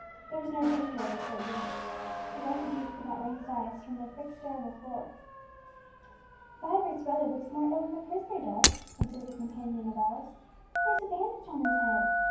There was no danger of his so doing, the wretched youth could not raise his eyes from their fixed stare on the floor. "Vibert's brother looks more ill than the prisoner does," observed the companion of Alice; "he has a bandage on his head.